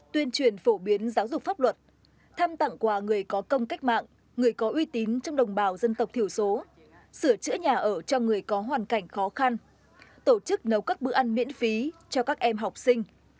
tuyên truyền phổ biến giáo dục pháp luật thăm tặng quà người có công cách mạng người có uy tín trong đồng bào dân tộc thiểu số sửa chữa nhà ở cho người có hoàn cảnh khó khăn tổ chức nấu các bữa ăn miễn phí cho các em học sinh